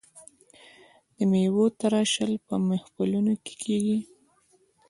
د میوو تراشل په محفلونو کې کیږي.